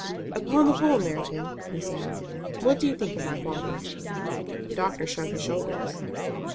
"Upon the whole, Merton," he said, "what do you think of my father?" The doctor shrugged his shoulders.